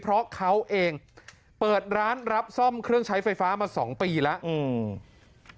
เพราะเขาเองเปิดร้านรับซ่อมเครื่องใช้ไฟฟ้ามาสองปีแล้วอืม